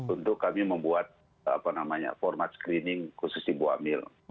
untuk kami membuat format screening khusus ibu hamil